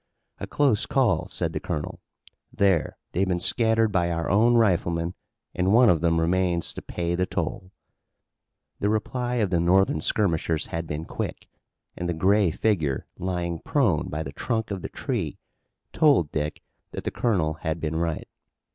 "A close call," said the colonel. "There, they've been scattered by our own riflemen and one of them remains to pay the toll." The reply of the Northern skirmishers had been quick, and the gray figure lying prone by the trunk of the tree told Dick that the colonel had been right.